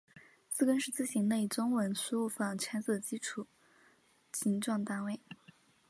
字根是字形类中文输入法拆字的基本形状单位。